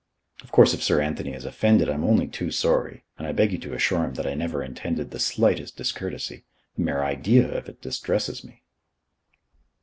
Of course if Sir Anthony is offended, I'm only too sorry, and I beg you to assure him that I never intended the slightest discourtesy. The mere idea of it distresses me."